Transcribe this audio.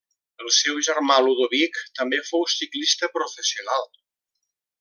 El seu germà Ludovic també fou ciclista professional.